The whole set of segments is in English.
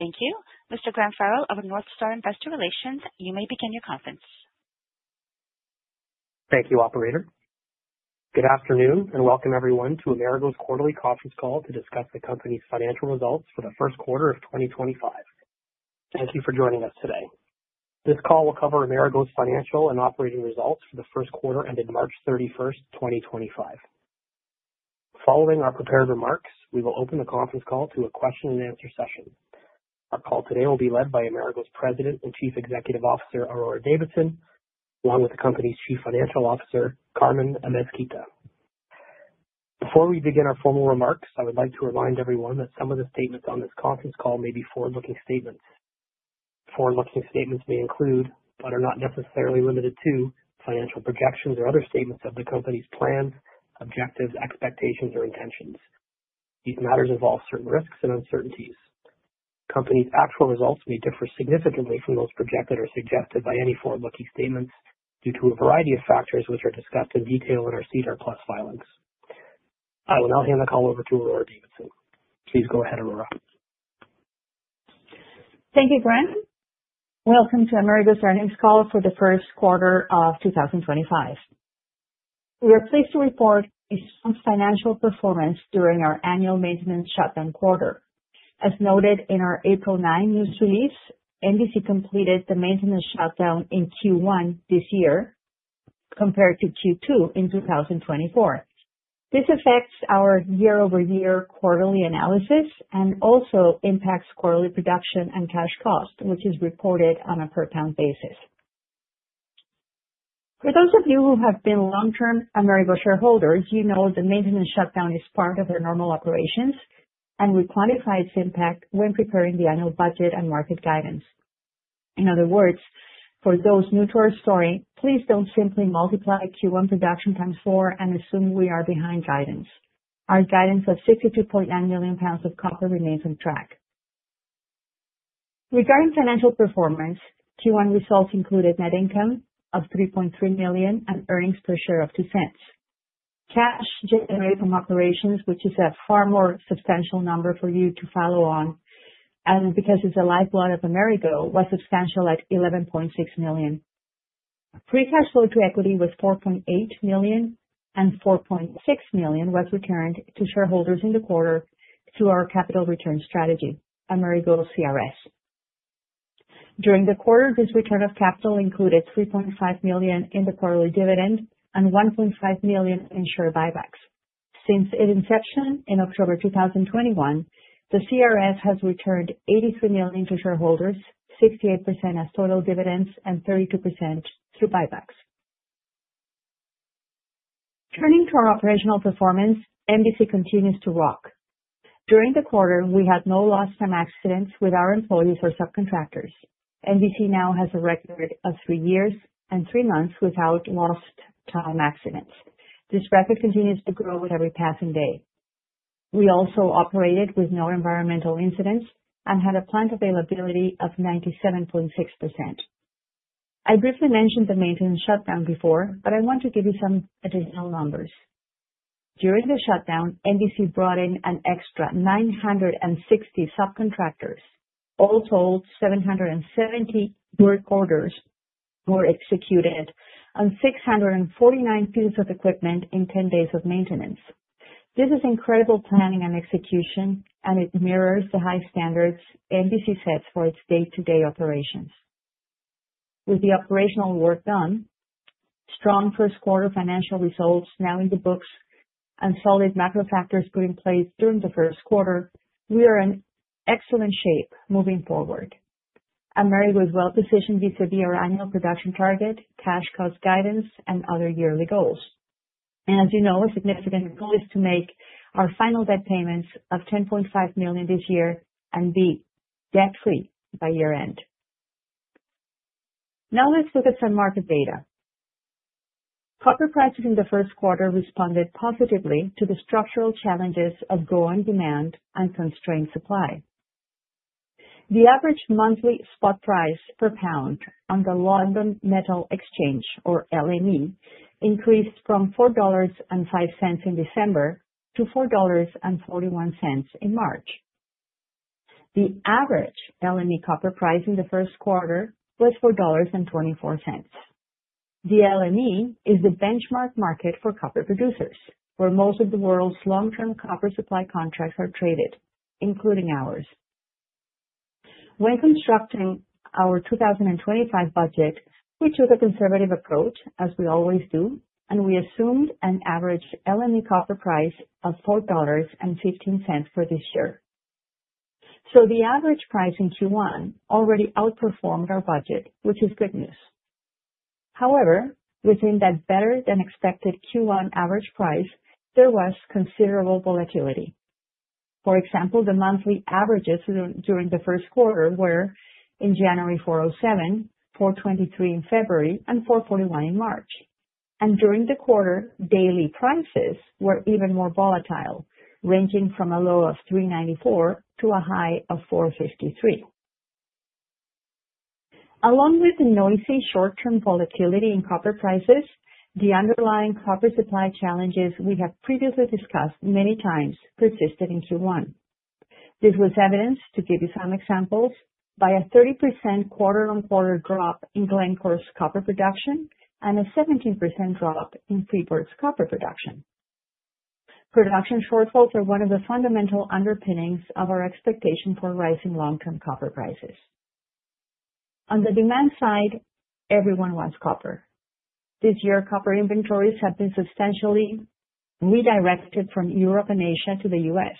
Thank you. Mr. Graham Farrell of North Star Investor Relations, you may begin your conference. Thank you, Operator. Good afternoon and welcome everyone to Amerigo's quarterly conference call to discuss the company's financial results for the first quarter of 2025. Thank you for joining us today. This call will cover Amerigo's financial and operating results for the first quarter ended March 31st, 2025. Following our prepared remarks, we will open the conference call to a question-and-answer session. Our call today will be led by Amerigo's President and Chief Executive Officer, Aurora Davidson, along with the company's Chief Financial Officer, Carmen Amezquita. Before we begin our formal remarks, I would like to remind everyone that some of the statements on this conference call may be forward-looking statements. Forward-looking statements may include, but are not necessarily limited to, financial projections or other statements of the company's plans, objectives, expectations, or intentions. These matters involve certain risks and uncertainties. Company's actual results may differ significantly from those projected or suggested by any forward-looking statements due to a variety of factors which are discussed in detail in our SEDAR Plus filings. I will now hand the call over to Aurora Davidson. Please go ahead, Aurora. Thank you, Graham. Welcome to Amerigo's earnings call for the first quarter of 2025. We are pleased to report a strong financial performance during our annual maintenance shutdown quarter. As noted in our April 9 news release, MVC completed the maintenance shutdown in Q1 this year compared to Q2 in 2024. This affects our year-over-year quarterly analysis and also impacts quarterly production and cash cost, which is reported on a per-pound basis. For those of you who have been long-term Amerigo shareholders, you know the maintenance shutdown is part of our normal operations, and we quantify its impact when preparing the annual budget and market guidance. In other words, for those new to our story, please do not simply multiply Q1 production times four and assume we are behind guidance. Our guidance of 62.9 million lbs of copper remains on track. Regarding financial performance, Q1 results included net income of $3.3 million and earnings per share of $0.02. Cash generated from operations, which is a far more substantial number for you to follow on, and because it's a lifeblood of Amerigo, was substantial at $11.6 million. Free cash flow to equity was $4.8 million, and $4.6 million was returned to shareholders in the quarter through our capital return strategy, Amerigo CRS. During the quarter, this return of capital included $3.5 million in the quarterly dividend and $1.5 million in share buybacks. Since its inception in October 2021, the CRS has returned $83 million to shareholders, 68% as total dividends and 32% through buybacks. Turning to our operational performance, MVC continues to rock. During the quarter, we had no lost-time accidents with our employees or subcontractors. MVC now has a record of three years and three months without lost-time accidents. This record continues to grow with every passing day. We also operated with no environmental incidents and had a plant availability of 97.6%. I briefly mentioned the maintenance shutdown before, but I want to give you some additional numbers. During the shutdown, MVC brought in an extra 960 subcontractors. All told, 770 work orders were executed and 649 pieces of equipment in 10 days of maintenance. This is incredible planning and execution, and it mirrors the high standards MVC sets for its day-to-day operations. With the operational work done, strong first-quarter financial results now in the books, and solid macro factors put in place during the first quarter, we are in excellent shape moving forward. Amerigo is well-positioned vis-à-vis our annual production target, cash cost guidance, and other yearly goals. As you know, a significant goal is to make our final debt payments of $10.5 million this year and be debt-free by year-end. Now let's look at some market data. Copper prices in the first quarter responded positively to the structural challenges of growing demand and constrained supply. The average monthly spot price per pound on the London Metal Exchange, or LME, increased from $4.05 in December to $4.41 in March. The average LME copper price in the first quarter was $4.24. The LME is the benchmark market for copper producers, where most of the world's long-term copper supply contracts are traded, including ours. When constructing our 2025 budget, we took a conservative approach, as we always do, and we assumed an average LME copper price of $4.15 for this year. The average price in Q1 already outperformed our budget, which is good news. However, within that better-than-expected Q1 average price, there was considerable volatility. For example, the monthly averages during the first quarter were in January 407, 423 in February, and 441 in March. During the quarter, daily prices were even more volatile, ranging from a low of 394 to a high of 453. Along with the noisy short-term volatility in copper prices, the underlying copper supply challenges we have previously discussed many times persisted in Q1. This was evidenced, to give you some examples, by a 30% quarter-on-quarter drop in Glencore's copper production and a 17% drop in Freeport-McMoRan's copper production. Production shortfalls are one of the fundamental underpinnings of our expectation for rising long-term copper prices. On the demand side, everyone wants copper. This year, copper inventories have been substantially redirected from Europe and Asia to the U.S.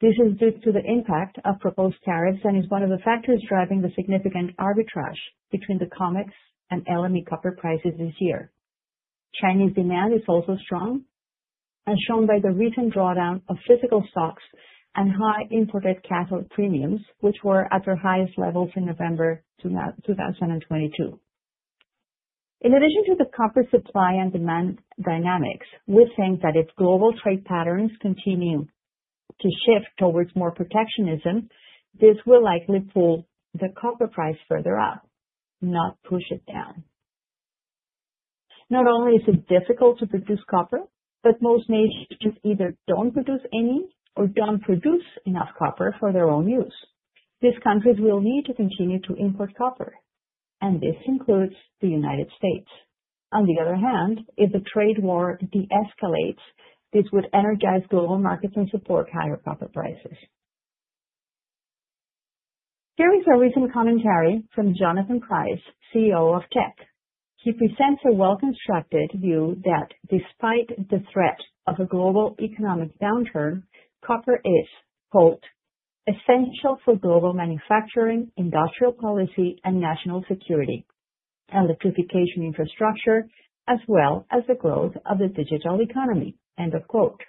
This is due to the impact of proposed tariffs and is one of the factors driving the significant arbitrage between the COMEX and LME copper prices this year. Chinese demand is also strong, as shown by the recent drawdown of physical stocks and high imported cathode premiums, which were at their highest levels in November 2022. In addition to the copper supply and demand dynamics, we think that if global trade patterns continue to shift towards more protectionism, this will likely pull the copper price further up, not push it down. Not only is it difficult to produce copper, but most nations either do not produce any or do not produce enough copper for their own use. These countries will need to continue to import copper, and this includes the United States. On the other hand, if the trade war de-escalates, this would energize global markets and support higher copper prices. Here is a recent commentary from Jonathan Price, CEO of Teck. He presents a well-constructed view that despite the threat of a global economic downturn, copper is, quote, "essential for global manufacturing, industrial policy, and national security, electrification infrastructure, as well as the growth of the digital economy." End of quote.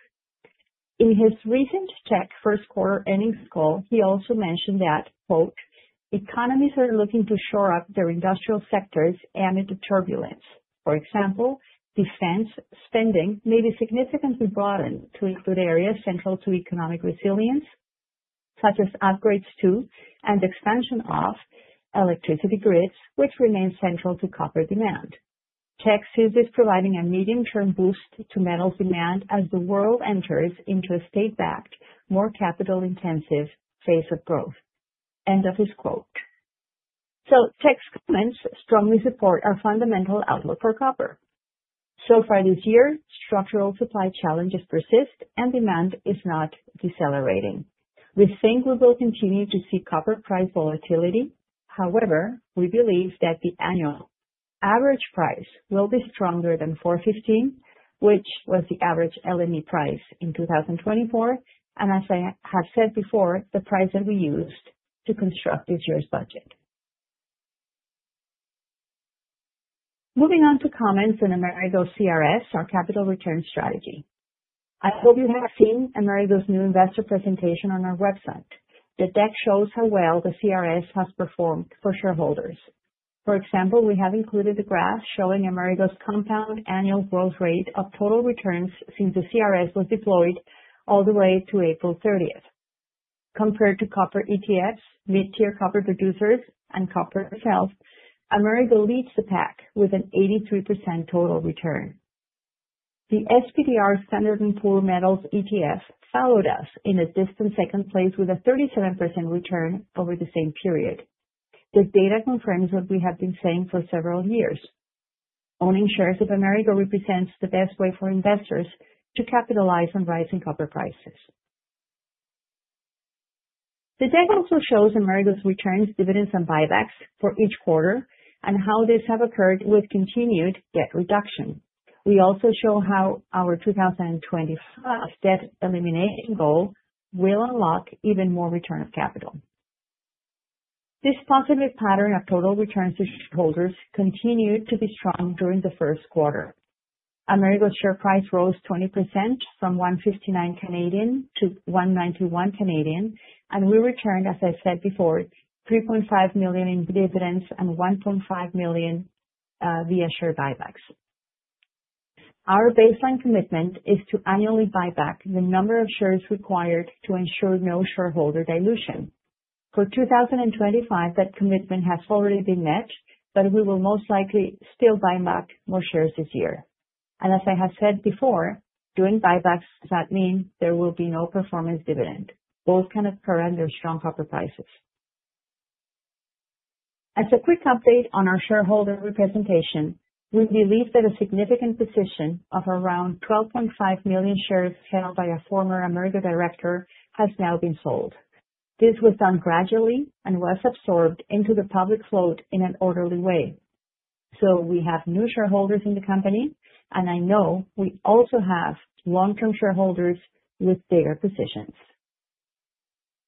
In his recent Teck first-quarter earnings call, he also mentioned that, quote, "economies are looking to shore up their industrial sectors amid the turbulence. For example, defense spending may be significantly broadened to include areas central to economic resilience, such as upgrades to and expansion of electricity grids, which remain central to copper demand." Teck sees this providing a medium-term boost to metal demand as the world enters into a state-backed, more capital-intensive phase of growth. End of his quote. Teck's comments strongly support our fundamental outlook for copper. So far this year, structural supply challenges persist and demand is not decelerating. We think we will continue to see copper price volatility. However, we believe that the annual average price will be stronger than $4.15, which was the average LME price in 2024, and as I have said before, the price that we used to construct this year's budget. Moving on to comments on Amerigo's CRS, our capital return strategy. I hope you have seen Amerigo's new investor presentation on our website. The deck shows how well the CRS has performed for shareholders. For example, we have included a graph showing Amerigo's compound annual growth rate of total returns since the CRS was deployed all the way to April 30th. Compared to copper ETFs, mid-tier copper producers, and copper itself, Amerigo leads the pack with an 83% total return. The SPDR Standard and Poor Metals ETF followed us in a distant second place with a 37% return over the same period. The data confirms what we have been saying for several years. Owning shares of Amerigo represents the best way for investors to capitalize on rising copper prices. The deck also shows Amerigo's returns, dividends, and buybacks for each quarter and how these have occurred with continued debt reduction. We also show how our 2025 debt elimination goal will unlock even more return of capital. This positive pattern of total returns to shareholders continued to be strong during the first quarter. Amerigo's share price rose 20% from 1.59 to 1.91, and we returned, as I said before, $3.5 million in dividends and $1.5 million via share buybacks. Our baseline commitment is to annually buy back the number of shares required to ensure no shareholder dilution. For 2025, that commitment has already been met, but we will most likely still buy back more shares this year. As I have said before, doing buybacks does not mean there will be no performance dividend. Both can occur under strong copper prices. As a quick update on our shareholder representation, we believe that a significant position of around 12.5 million shares held by a former Amerigo director has now been sold. This was done gradually and was absorbed into the public float in an orderly way. We have new shareholders in the company, and I know we also have long-term shareholders with bigger positions.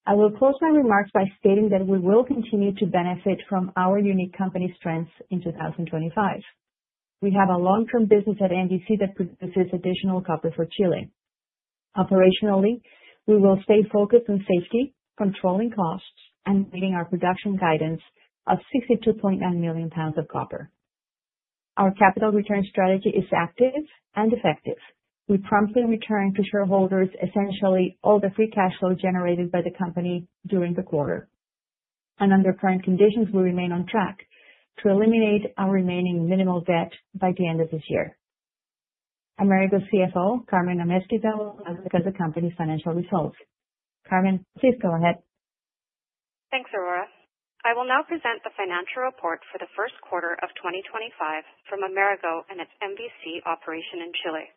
I will close my remarks by stating that we will continue to benefit from our unique company strengths in 2025. We have a long-term business at MVC that produces additional copper for Chile. Operationally, we will stay focused on safety, controlling costs, and meeting our production guidance of 62.9 million lbs of copper. Our capital return strategy is active and effective. We promptly return to shareholders essentially all the free cash flow generated by the company during the quarter. Under current conditions, we remain on track to eliminate our remaining minimal debt by the end of this year. Amerigo's CFO, Carmen Amezquita, will look at the company's financial results. Carmen, please go ahead. Thanks, Aurora. I will now present the financial report for the first quarter of 2025 from Amerigo and its MVC operation in Chile.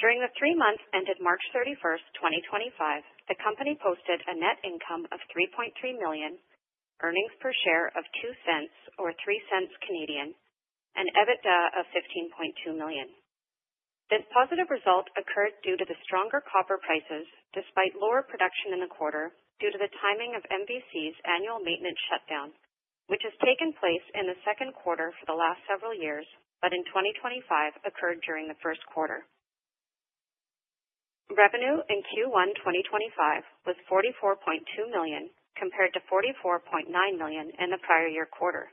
During the three months ended March 31, 2025, the company posted a net income of $3.3 million, earnings per share of 0.02 or 0.03, and EBITDA of $15.2 million. This positive result occurred due to the stronger copper prices despite lower production in the quarter due to the timing of MVC's annual maintenance shutdown, which has taken place in the second quarter for the last several years, but in 2025 occurred during the first quarter. Revenue in Q1 2025 was $44.2 million compared to $44.9 million in the prior year quarter.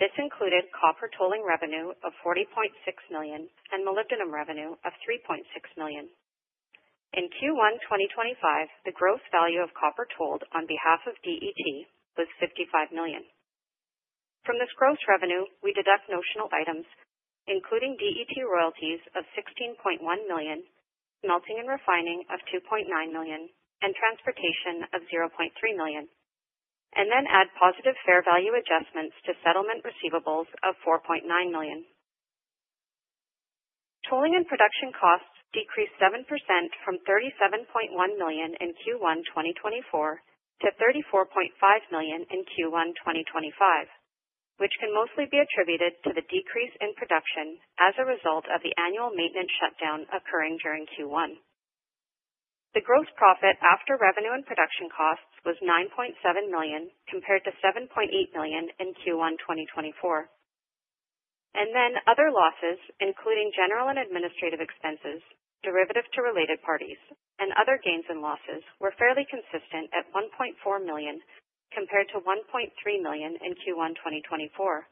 This included copper tolling revenue of $40.6 million and molybdenum revenue of $3.6 million. In Q1 2025, the gross value of copper tolled on behalf of DET was $55 million. From this gross revenue, we deduct notional items, including DET royalties of $16.1 million, smelting and refining of $2.9 million, and transportation of $0.3 million, and then add positive fair value adjustments to settlement receivables of $4.9 million. Tolling and production costs decreased 7% from $37.1 million in Q1 2024 to $34.5 million in Q1 2025, which can mostly be attributed to the decrease in production as a result of the annual maintenance shutdown occurring during Q1. The gross profit after revenue and production costs was $9.7 million compared to $7.8 million in Q1 2024. Other losses, including general and administrative expenses, derivative to related parties, and other gains and losses, were fairly consistent at $1.4 million compared to $1.3 million in Q1 2024.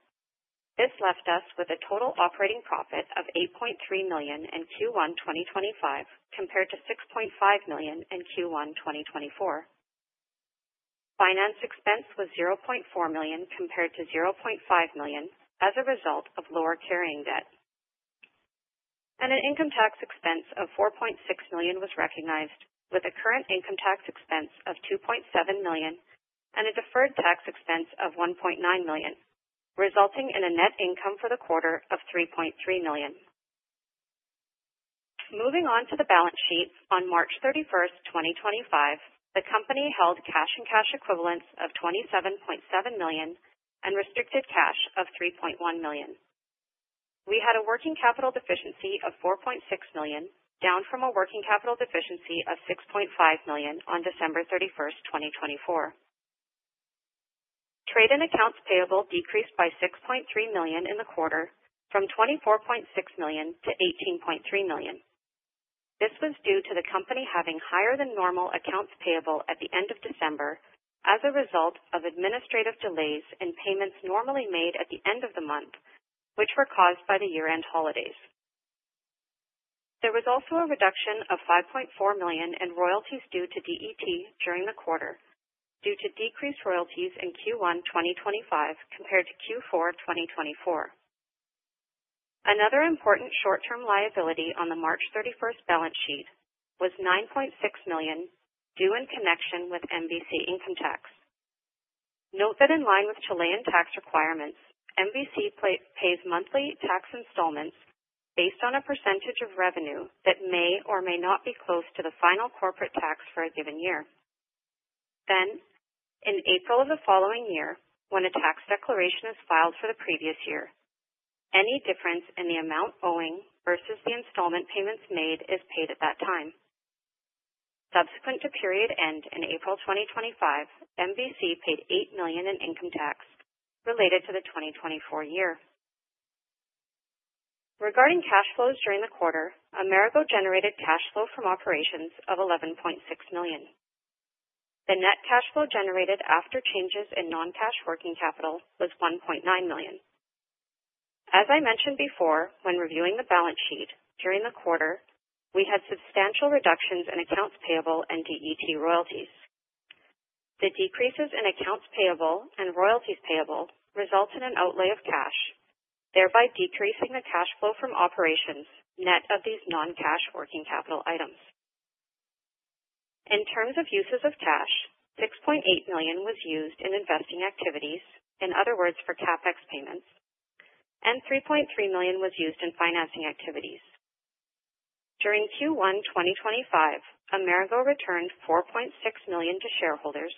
This left us with a total operating profit of $8.3 million in Q1 2025 compared to $6.5 million in Q1 2024. Finance expense was $0.4 million compared to $0.5 million as a result of lower carrying debt. An income tax expense of $4.6 million was recognized, with a current income tax expense of $2.7 million and a deferred tax expense of $1.9 million, resulting in a net income for the quarter of $3.3 million. Moving on to the balance sheet, on March 31st, 2025, the company held cash and cash equivalents of $27.7 million and restricted cash of $3.1 million. We had a working capital deficiency of $4.6 million, down from a working capital deficiency of $6.5 million on December 31st, 2024. Trade and accounts payable decreased by $6.3 million in the quarter, from $24.6 million to $18.3 million. This was due to the company having higher-than-normal accounts payable at the end of December as a result of administrative delays in payments normally made at the end of the month, which were caused by the year-end holidays. There was also a reduction of $5.4 million in royalties due to DET during the quarter, due to decreased royalties in Q1 2025 compared to Q4 2024. Another important short-term liability on the March 31st balance sheet was $9.6 million due in connection with MVC income tax. Note that in line with Chilean tax requirements, MVC pays monthly tax installments based on a percentage of revenue that may or may not be close to the final corporate tax for a given year. In April of the following year, when a tax declaration is filed for the previous year, any difference in the amount owing versus the installment payments made is paid at that time. Subsequent to period end in April 2025, MVC paid $8 million in income tax related to the 2024 year. Regarding cash flows during the quarter, Amerigo generated cash flow from operations of $11.6 million. The net cash flow generated after changes in non-cash working capital was $1.9 million. As I mentioned before, when reviewing the balance sheet during the quarter, we had substantial reductions in accounts payable and DET royalties. The decreases in accounts payable and royalties payable resulted in an outlay of cash, thereby decreasing the cash flow from operations net of these non-cash working capital items. In terms of uses of cash, $6.8 million was used in investing activities, in other words, for CapEx payments, and $3.3 million was used in financing activities. During Q1 2025, Amerigo returned $4.6 million to shareholders,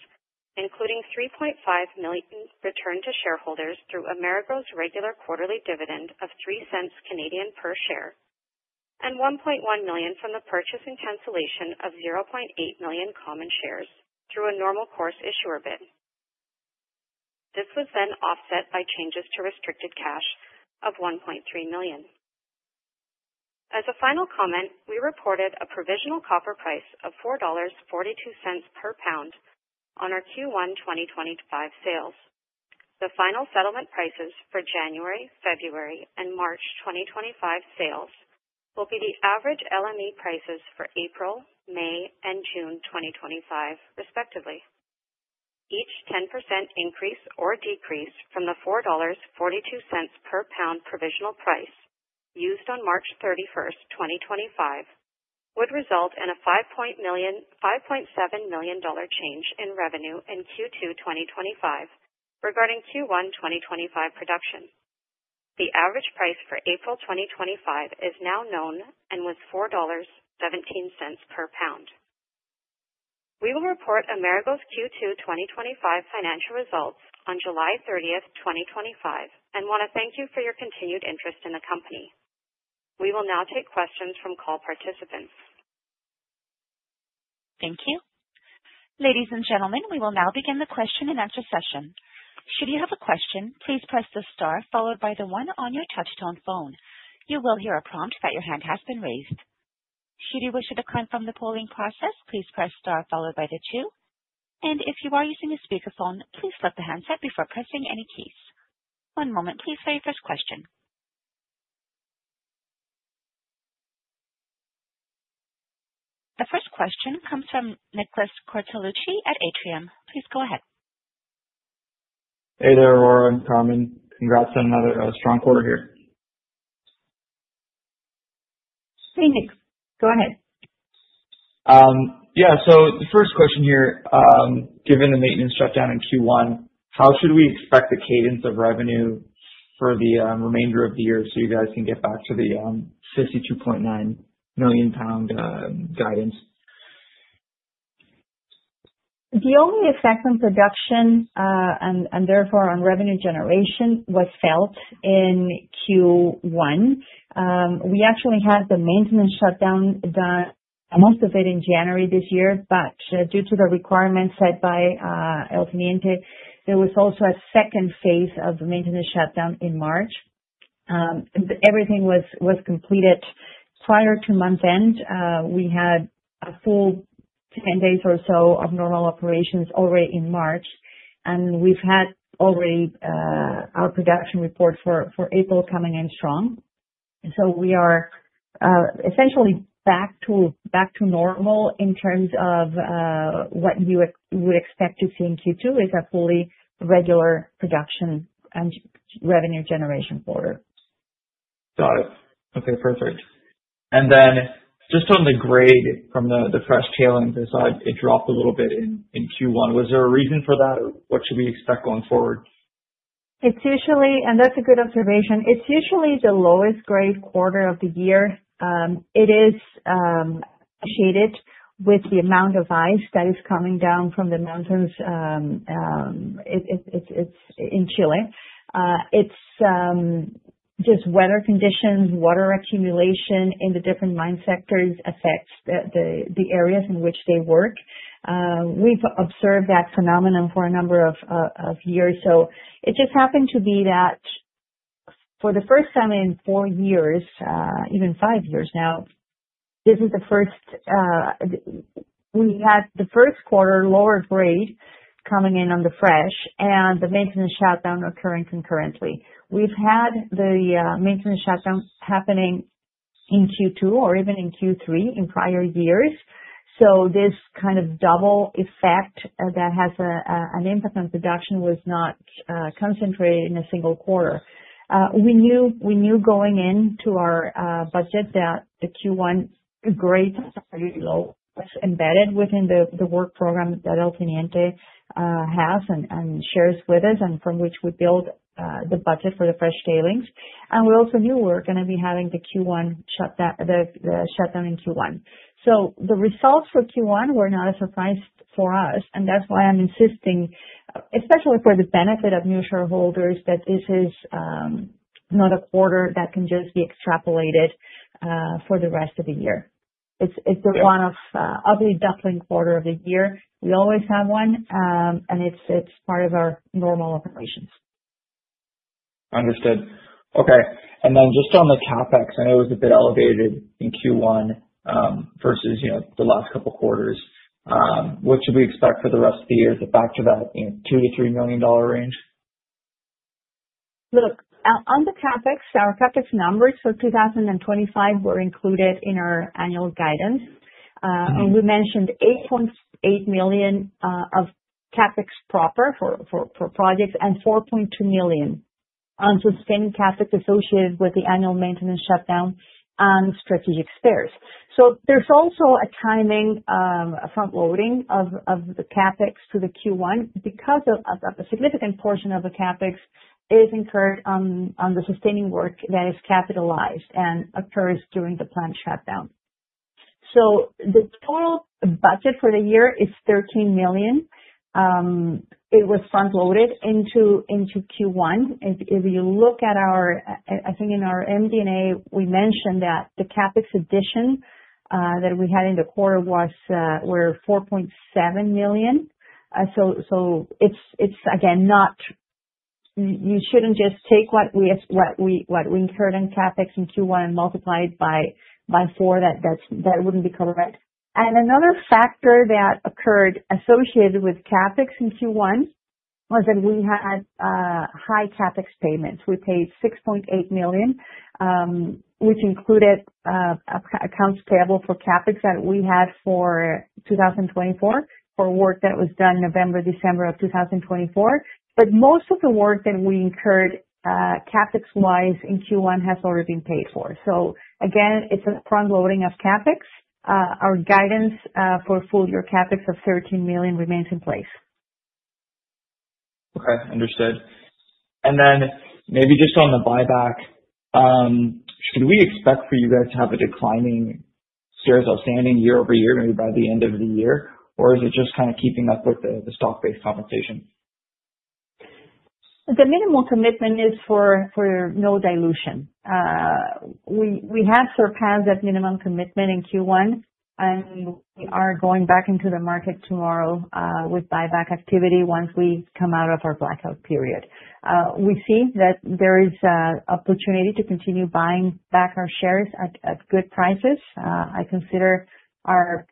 including $3.5 million returned to shareholders through Amerigo's regular quarterly dividend of 0.03 per share, and $1.1 million from the purchase and cancellation of $0.8 million common shares through a normal course issuer bid. This was then offset by changes to restricted cash of $1.3 million. As a final comment, we reported a provisional copper price of $4.42 per pound on our Q1 2025 sales. The final settlement prices for January, February, and March 2025 sales will be the average LME prices for April, May, and June 2025, respectively. Each 10% increase or decrease from the $4.42 per pound provisional price used on March 31, 2025, would result in a $5.7 million change in revenue in Q2 2025 regarding Q1 2025 production. The average price for April 2025 is now known and was $4.17 per pound. We will report Amerigo's Q2 2025 financial results on July 30th, 2025, and want to thank you for your continued interest in the company. We will now take questions from call participants. Thank you. Ladies and gentlemen, we will now begin the question and answer session. Should you have a question, please press the star followed by the one on your touch-tone phone. You will hear a prompt that your hand has been raised. Should you wish to decline from the polling process, please press star followed by the two. If you are using a speakerphone, please flip the handset before pressing any keys. One moment, please, for your first question. The first question comes from Nicholas Cortellucci at Atrium. Please go ahead. Hey there, Aurora and Carmen. Congrats on another strong quarter here. Hey, Nick. Go ahead. Yeah, so the first question here, given the maintenance shutdown in Q1, how should we expect the cadence of revenue for the remainder of the year so you guys can get back to the 52.9 million pound guidance? The only effect on production and therefore on revenue generation was felt in Q1. We actually had the maintenance shutdown done, most of it in January this year, but due to the requirements set by El Teniente, there was also a second phase of maintenance shutdown in March. Everything was completed prior to month end. We had a full 10 days or so of normal operations already in March, and we have already our production report for April coming in strong. We are essentially back to normal in terms of what you would expect to see in Q2 is a fully regular production and revenue generation quarter. Got it. Okay, perfect. And then just on the grade from the fresh tailings aside, it dropped a little bit in Q1. Was there a reason for that? What should we expect going forward? That is a good observation. It is usually the lowest grade quarter of the year. It is associated with the amount of ice that is coming down from the mountains in Chile. It's just weather conditions, water accumulation in the different mine sectors affects the areas in which they work. We've observed that phenomenon for a number of years. It just happened to be that for the first time in four years, even five years now, this is the first we had the first quarter lower grade coming in on the fresh and the maintenance shutdown occurring concurrently. We've had the maintenance shutdown happening in Q2 or even in Q3 in prior years. This kind of double effect that has an impact on production was not concentrated in a single quarter. We knew going into our budget that the Q1 grade was embedded within the work program that El Teniente has and shares with us and from which we build the budget for the fresh tailings. We also knew we were going to be having the Q1 shutdown in Q1. The results for Q1 were not a surprise for us, and that's why I'm insisting, especially for the benefit of new shareholders, that this is not a quarter that can just be extrapolated for the rest of the year. It's the one ugly duckling quarter of the year. We always have one, and it's part of our normal operations. Understood. Okay. Just on the CapEx, I know it was a bit elevated in Q1 versus the last couple of quarters. What should we expect for the rest of the year to factor that in $2 million to $3 million range? Look, on the CapEx, our CapEx numbers for 2025 were included in our annual guidance. We mentioned $8.8 million of CapEx proper for projects and $4.2 million on sustained CapEx associated with the annual maintenance shutdown and strategic spares. There is also a timing, a front-loading of the CapEx to the Q1 because a significant portion of the CapEx is incurred on the sustaining work that is capitalized and occurs during the plant shutdown. The total budget for the year is $13 million. It was front-loaded into Q1. If you look at our, I think in our MD&A, we mentioned that the CapEx addition that we had in the quarter was $4.7 million. It's, again, not you should not just take what we incurred in CapEx in Q1 and multiply it by four. That would not be correct. Another factor that occurred associated with CapEx in Q1 was that we had high CapEx payments. We paid $6.8 million, which included accounts payable for CapEx that we had for 2024 for work that was done November, December of 2024. Most of the work that we incurred CapEx-wise in Q1 has already been paid for. Again, it's a front-loading of CapEx. Our guidance for full-year CapEx of $13 million remains in place. Okay, understood. Maybe just on the buyback, should we expect for you guys to have a declining shares outstanding year over year, maybe by the end of the year, or is it just kind of keeping up with the stock-based compensation? The minimal commitment is for no dilution. We have surpassed that minimum commitment in Q1, and we are going back into the market tomorrow with buyback activity once we come out of our blackout period. We see that there is an opportunity to continue buying back our shares at good prices. I consider our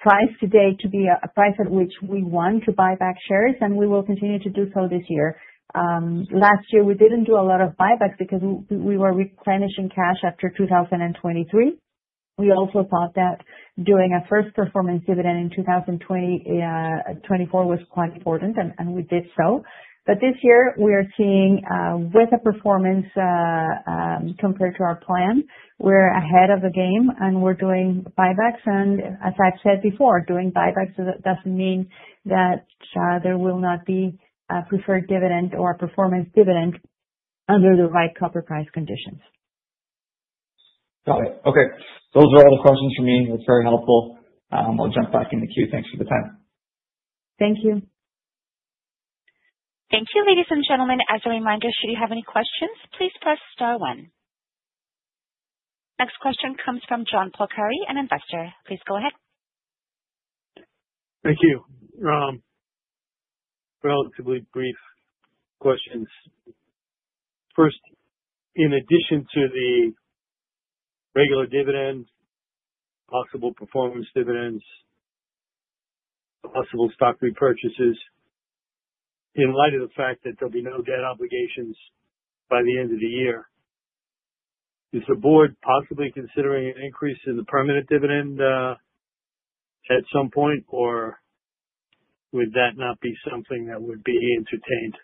price today to be a price at which we want to buy back shares, and we will continue to do so this year. Last year, we did not do a lot of buybacks because we were replenishing cash after 2023. We also thought that doing a first performance dividend in 2024 was quite important, and we did so. This year, we are seeing with a performance compared to our plan, we are ahead of the game, and we are doing buybacks. As I've said before, doing buybacks doesn't mean that there will not be a preferred dividend or a performance dividend under the right copper price conditions. Got it. Okay. Those are all the questions for me. It's very helpful. I'll jump back in the queue. Thanks for the time. Thank you. Thank you. Ladies and gentlemen, as a reminder, should you have any questions, please press star one. Next question comes from John Polcari, an investor. Please go ahead. Thank you. Relatively brief questions. First, in addition to the regular dividend, possible performance dividends, possible stock repurchases, in light of the fact that there'll be no debt obligations by the end of the year, is the board possibly considering an increase in the permanent dividend at some point, or would that not be something that would be entertained?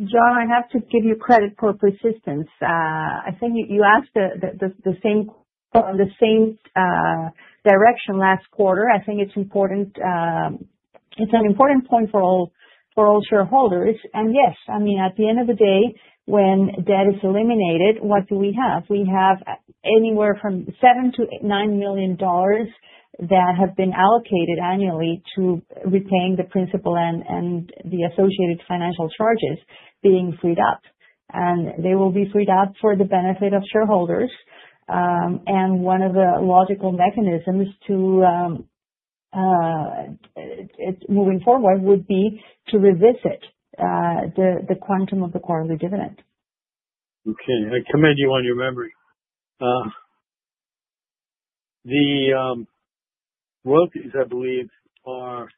John, I have to give you credit for persistence. I think you asked the same direction last quarter. I think it's an important point for all shareholders. Yes, I mean, at the end of the day, when debt is eliminated, what do we have? We have anywhere from $7 million to $9 million that have been allocated annually to retain the principal and the associated financial charges being freed up. They will be freed up for the benefit of shareholders. One of the logical mechanisms to moving forward would be to revisit the quantum of the quarterly dividend. Okay. I commend you on your memory. The royalties, I believe, are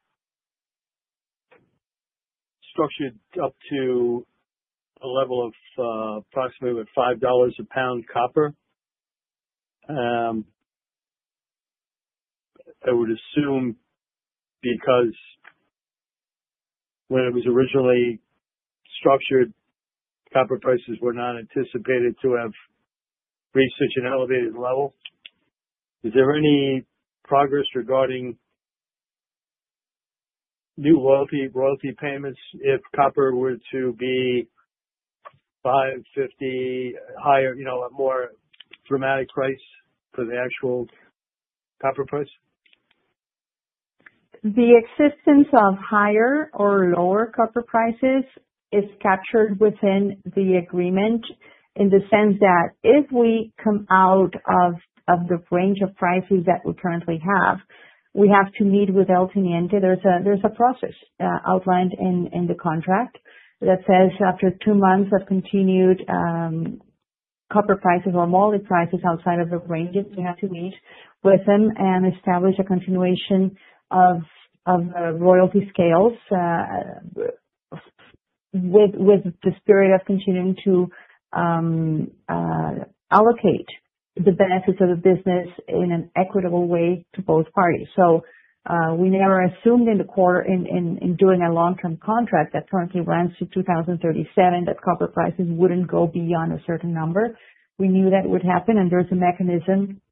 structured up to a level of approximately $5 a pound copper. I would assume because when it was originally structured, copper prices were not anticipated to have reached such an elevated level. Is there any progress regarding new royalty payments if copper were to be $5.50 higher, a more dramatic price for the actual copper price? The existence of higher or lower copper prices is captured within the agreement in the sense that if we come out of the range of prices that we currently have, we have to meet with El Teniente. There's a process outlined in the contract that says after two months of continued copper prices or moly prices outside of the range, we have to meet with them and establish a continuation of royalty scales with the spirit of continuing to allocate the benefits of the business in an equitable way to both parties. We never assumed in the quarter in doing a long-term contract that currently runs to 2037 that copper prices wouldn't go beyond a certain number. We knew that would happen, and there's a mechanism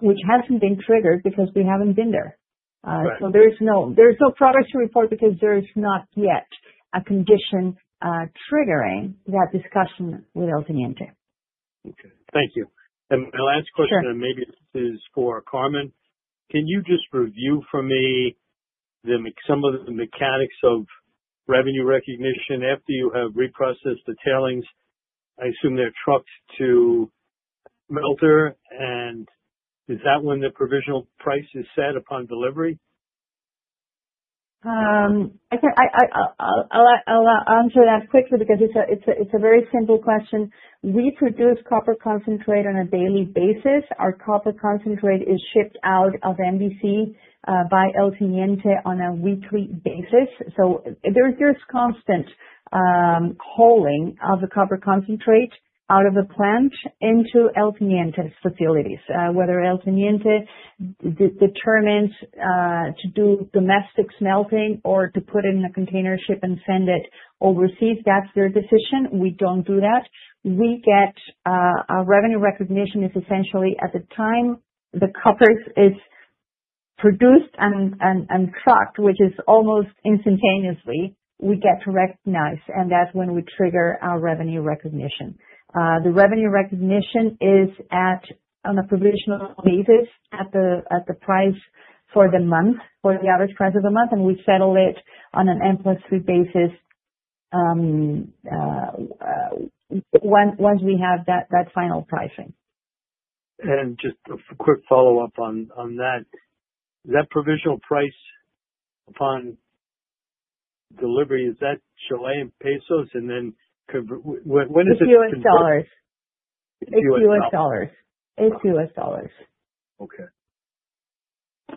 which hasn't been triggered because we haven't been there. There's no product to report because there's not yet a condition triggering that discussion with El Teniente. Okay. Thank you. My last question maybe is for Carmen. Can you just review for me some of the mechanics of revenue recognition after you have reprocessed the tailings? I assume they're trucked to Melter, and is that when the provisional price is set upon delivery? I'll answer that quickly because it's a very simple question. We produce copper concentrate on a daily basis. Our copper concentrate is shipped out of MVC by El Teniente on a weekly basis. There's constant hauling of the copper concentrate out of the plant into El Teniente's facilities. Whether El Teniente determines to do domestic smelting or to put it in a container ship and send it overseas, that's their decision. We don't do that. Our revenue recognition is essentially at the time the copper is produced and trucked, which is almost instantaneously, we get to recognize, and that's when we trigger our revenue recognition. The revenue recognition is on a provisional basis at the price for the month, for the average price of the month, and we settle it on an end-plus-three basis once we have that final pricing. Just a quick follow-up on that. That provisional price upon delivery, is that Chilean pesos? And then when is it? It's US dollars. It's US dollars. It's US dollars. Okay.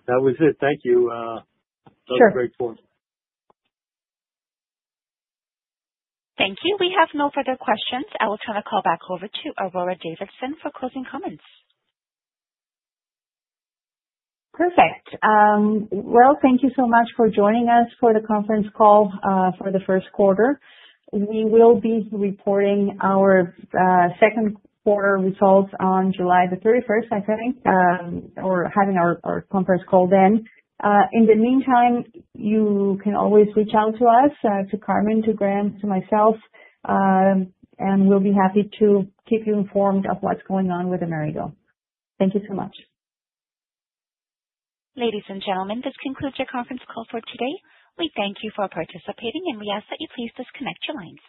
That was it. Thank you. That was very important. Sure. Thank you. We have no further questions. I will turn the call back over to Aurora Davidson for closing comments. Perfect. Thank you so much for joining us for the conference call for the first quarter. We will be reporting our second quarter results on July 31st, I think, or having our conference call then. In the meantime, you can always reach out to us, to Carmen, to Graham, to myself, and we will be happy to keep you informed of what is going on with Amerigo. Thank you so much. Ladies and gentlemen, this concludes your conference call for today. We thank you for participating, and we ask that you please disconnect your lines.